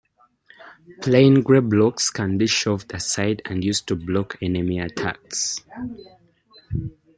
Plain grey blocks can be shoved aside and used to block enemy attacks.